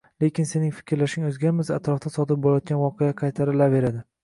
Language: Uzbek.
Lekin sening fikrlashing o‘zgarmasa, atrofda sodir bo‘layotgan voqealar qaytarilaveradi.